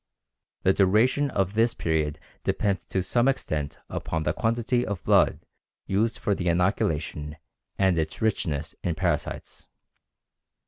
The duration of this period depends to some extent upon the quantity of blood used for the inoculation and its richness in parasites.